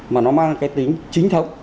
mà nó mang cái tính chính thống